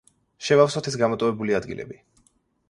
შევავსოთ ეს გამოტოვებული ადგილები.